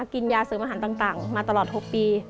กินยาเสริมอาหารต่างมาตลอด๖ปี